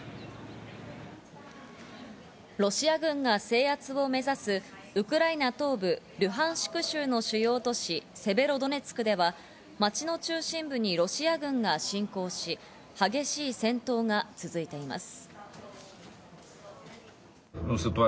ロシア軍が制圧を目指すウクライナ東部ルハンシク州の主要都市セベロドネツクでは街の中心部にロシア軍が侵攻し、激しい戦闘が続いています。